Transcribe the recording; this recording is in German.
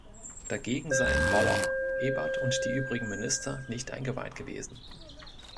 Dagegen seien Bauer, Ebert und die übrigen Minister nicht eingeweiht gewesen.